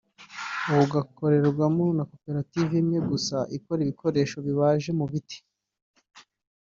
ubu gakorerwamo na koperative imwe gusa ikora ibikoresho bibaje mu biti